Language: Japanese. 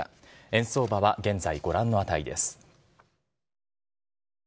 円相場は現在、ご覧の値です。